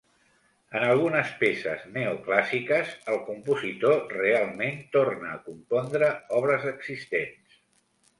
En algunes peces neoclàssiques el compositor realment tornà a compondre obres existents.